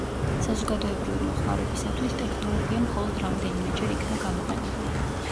საზოგადოებრივი მოხმარებისათვის ტექნოლოგია მხოლოდ რამდენიმეჯერ იქნა გამოყენებული.